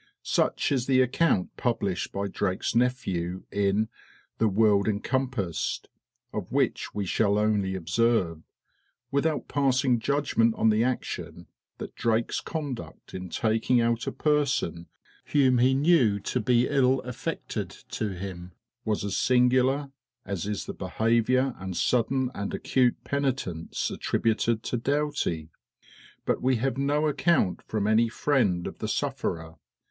Such is the account published by Drake's nephew, in "The World Encompassed," of which we shall only observe, without passing judgment on the action, that Drake's conduct in taking out a person whom he knew to be ill affected to him, was as singular as is the behavior and sudden and acute penitence attributed to Doughty. But we have no account from any friend of the sufferer.